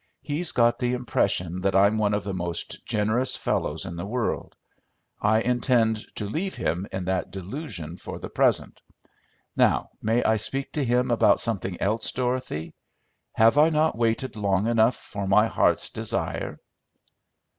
He's got the impression that I'm one of the most generous fellows in the world. I intend to leave him in that delusion for the present. Now may I speak to him about something else, Dorothy? Have I not waited long enough for my heart's desire?"